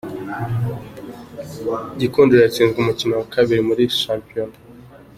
Gikundiro yatsinzwe umukino wa kabiri muri Shampiyona